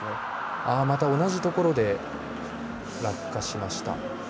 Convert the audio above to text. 同じところで落下しました。